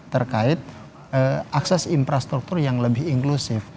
terkait akses infrastruktur yang lebih inklusif